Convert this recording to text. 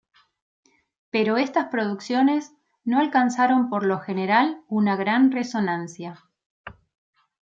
Pero estas producciones no alcanzaron por lo general una gran resonancia.